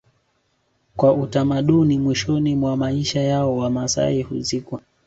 Kwa utamaduni mwishoni mwa maisha yao Wamasai huzikwa